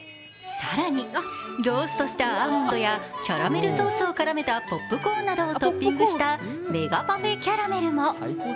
更にローストしたアーモンドやキャラメルソースを絡めたポップコーンなどをトッピングしたメガパフェキャラメルも。